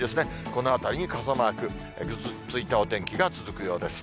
このあたりに傘マーク、ぐずついたお天気が続くようです。